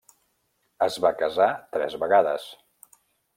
Es va casar tres vegades.